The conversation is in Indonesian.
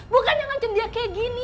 bukannya ngancam dia kayak gini